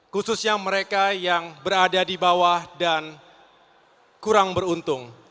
khususnya mereka yang berada di bawah dan kurang beruntung